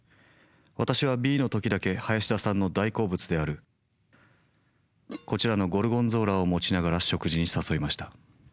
私はＢの時だけ林田さんの大好物であるこちらのゴルゴンゾーラを持ちながら食事に誘いました。